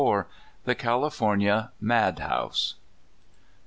rHE CALirORNIA MADHOUSE.